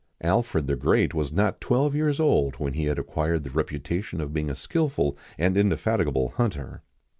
Alfred the Great was not twelve years old when he had acquired the reputation of being a skilful and indefatigable hunter.